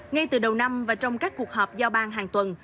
ngay từ đầu năm và trong các cuộc họp giao ban hàng tuần